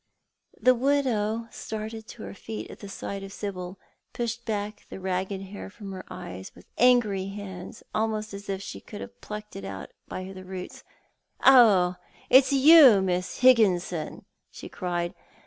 The widow started to her feet at siglit of Sibyl, and pushed back the ragged hair from her eyes with angry hands, almost as if she would have plucked it out by the roots. " Oh, it's you, Miss Higginson," she cried.